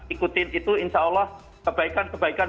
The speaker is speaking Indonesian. ikutin itu insya allah kebaikan kebaikan